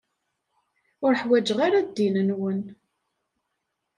Ur ḥwaǧeɣ ara ddin-nwen.